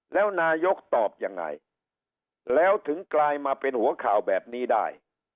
แล้วนายกตอบยังไงแล้วถึงกลายมาเป็นหัวข่าวแบบนี้ได้